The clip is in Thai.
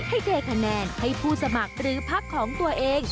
เทคะแนนให้ผู้สมัครหรือพักของตัวเอง